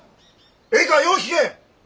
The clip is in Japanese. ええかよう聞け！